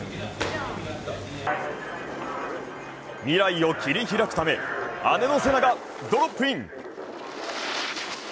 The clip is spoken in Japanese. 未来を切り開くため、姉のせながドロップイン。